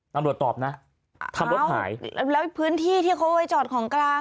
ตำรวจตอบนะทำรถหายแล้วแล้วพื้นที่ที่เขาเอาไว้จอดของกลาง